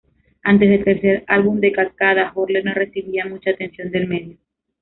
Antes del tercer álbum de Cascada, Horler no recibía mucha atención del medio.